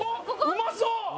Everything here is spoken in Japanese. うまそう！